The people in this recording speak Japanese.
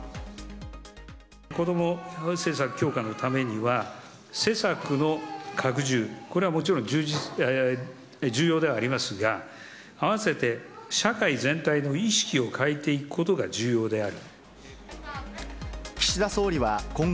子ども政策強化のためには、施策の拡充、これはもちろん、重要ではありますが、併せて、社会全体の意識を変えていくことが重要である。